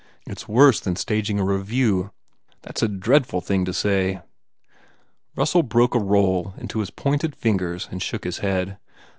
It s worse than staging a revue." "That s a dreadful thing to say!" Russell broke a roll in his pointed fingers and shook his head.